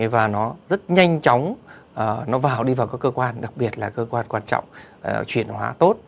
và nó rất nhanh chóng nó vào đi vào các cơ quan đặc biệt là cơ quan quan trọng chuyển hóa tốt